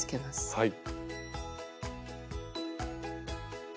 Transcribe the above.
はい。